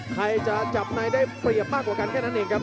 ใครจะจับในได้เปรียบมากกว่ากันแค่นั้นเองครับ